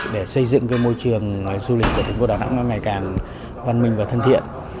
để xây dựng cái môi trường du lịch của thành phố đà nẵng ngày càng văn minh và thân thiện